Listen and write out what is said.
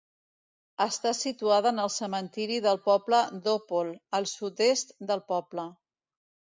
Està situada en el cementiri del poble d'Òpol, al sud-est del poble.